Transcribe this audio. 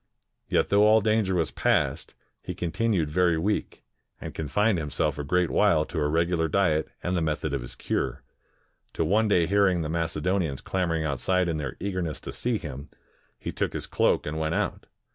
Yet though all danger was past, he continued very weak, and confined himself a great while to a regu lar diet and the method of his cure, till one day hearing the Macedonians clamoring outside in their eagerness to see him, he took his cloak and went out.